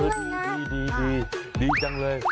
ดีดีจังเลย